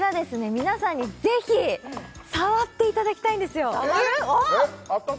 皆さんにぜひ触っていただきたいんですよ触る！？